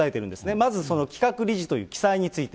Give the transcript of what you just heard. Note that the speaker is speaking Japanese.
まず、その企画理事という記載について。